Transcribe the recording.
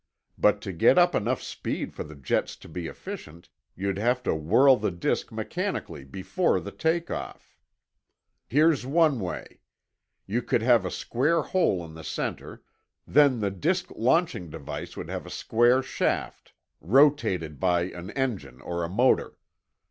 But to get up enough speed for the jets to be efficient, you'd have to whirl the disk mechanically before the take off. Here's one way. You could have a square hole in the center; then the disk launching device would have a square shaft, rotated by an engine or a motor.